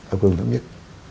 ở quận thống nhất